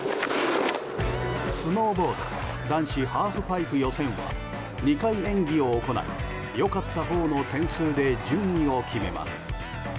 スノーボード男子ハーフパイプ予選は２回演技を行い良かったほうの点数で順位を決めます。